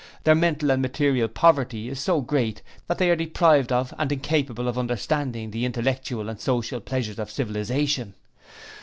Their mental and material poverty is so great that they are deprived of and incapable of understanding the intellectual and social pleasures of civilization...